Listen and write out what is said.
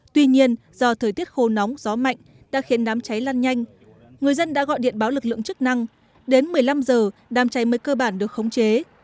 tuy nhiên do thời tiết khô nóng gió mạnh đã khiến đám cháy lan nhanh người dân đã gọi điện báo lực lượng chức năng đến một mươi năm h đám cháy mới cơ bản được khống chế